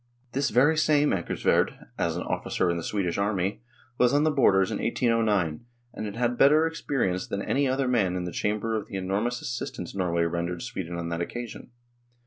This very same Anckarsvard, as an officer in the Swedish army, was on the borders in 1809, and had had better experience than any other man in the Chamber of the enormous assistance Norway rendered Sweden on that occasion.